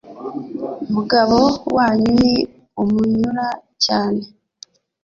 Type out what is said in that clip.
Umugabo wanyu ni umunyura cyane